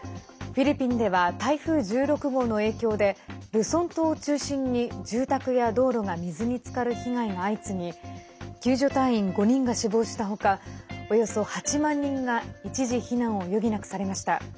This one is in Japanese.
フィリピンでは台風１６号の影響でルソン島を中心に住宅や道路が水につかる被害が相次ぎ救助隊員５人が死亡した他およそ８万人が一時避難を余儀なくされました。